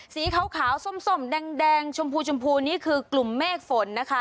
สีขาวส้มแดงชมพูชมพูนี่คือกลุ่มเมฆฝนนะคะ